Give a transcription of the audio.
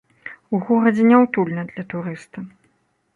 У горадзе няўтульна для турыста.